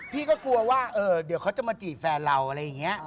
พี่ก็กลัวว่าเดี๋ยวเขาจะมาจีบแฟนเราอะไรอย่างนี้